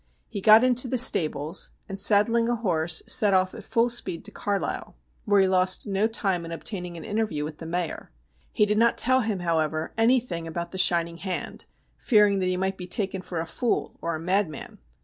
He got into the stables, and, saddling a horse, set off at full speed to Carlisle, where he lost no time in obtaining an interview with the Mayor. He did not tell him, however, anything about the shining hand, fearing that he might be taken for a fool or a madman.